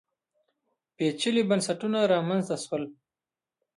پېچلي بنسټونه رامنځته شول